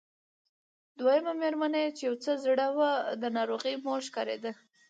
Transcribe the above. دويمه مېرمنه چې يو څه زړه وه د ناروغې مور ښکارېده.